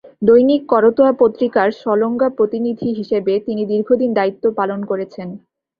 দৈনিক করতোয়া পত্রিকার সলঙ্গা প্রতিনিধি হিসেবে তিনি দীর্ঘদিন দায়িত্ব পালন করেছেন।